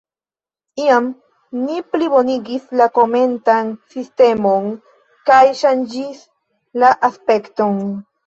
Iam ni plibonigis la komentan sistemon kaj ŝanĝis la aspekton.